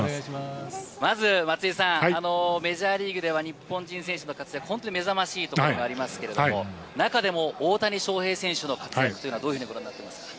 まず松井さん、メジャーリーグでは日本人選手の活躍、本当に目覚ましいところがありますけれども、中でも大谷翔平選手の活躍というのはどういうふうにご覧になってますか。